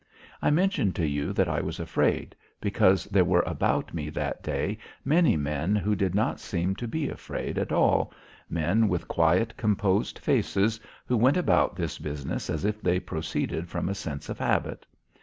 I mention to you that I was afraid, because there were about me that day many men who did not seem to be afraid at all, men with quiet, composed faces who went about this business as if they proceeded from a sense of habit.